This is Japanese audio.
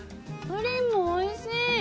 プリンもおいしい！